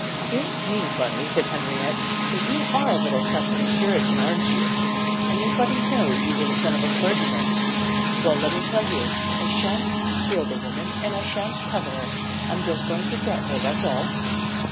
"Dear me, Bunny," said Henriette, "but you are a little tuppenny Puritan, aren't you? Anybody'd know you were the son of a clergyman! Well, let me tell you, I sha'n't steal the woman, and I sha'n't covet her. I'm just going to get her, that's all."